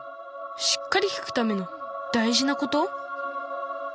しっかり聞くための大じなこと？